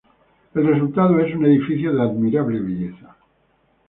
El resultado es un edificio de admirable belleza.